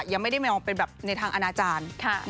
ยังไม่ได้มองเป็นแบบในทางอนาจารย์